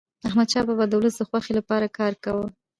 احمدشاه بابا د ولس د خوښی لپاره کار کاوه.